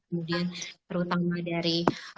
kemudian terutama dari